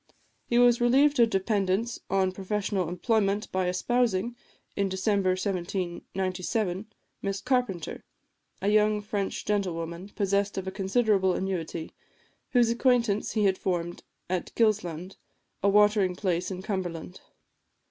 He was relieved of dependence on professional employment by espousing, in December 1797, Miss Carpenter, a young French gentlewoman, possessed of a considerable annuity, whose acquaintance he had formed at Gilsland, a watering place in Cumberland.